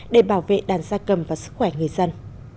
để bảo vệ đàn da cầm và sức khỏe người dân